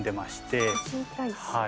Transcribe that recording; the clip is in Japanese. はい。